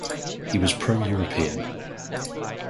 He was pro-European.